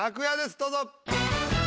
どうぞ。